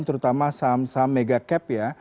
terutama saham saham mega cap ya